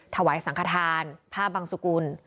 ถวายสังขทานผ้าบังสุกุล